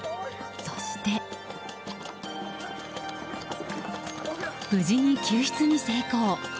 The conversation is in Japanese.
そして、無事に救出に成功。